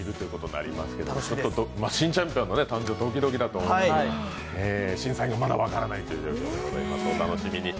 新チャンピオンの誕生、ドキドキだと思いますが、審査員がまだ分からないということです、お楽しみに！